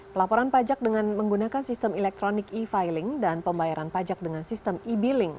pelaporan pajak dengan menggunakan sistem electronic e filing dan pembayaran pajak dengan sistem e billing